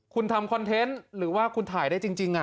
คุณทำคอนเทนต์หรือว่าคุณถ่ายได้จริง